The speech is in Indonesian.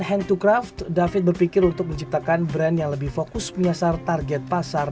kalau si david tinggal bersin aja udah keluar karya gitu kan